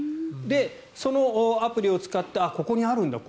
そのアプリを使ってここにあるんだと。